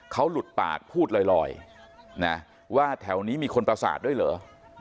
เขาหลุดปากพูดลอยนะว่าแถวนี้มีคนประสาทด้วยเหรอ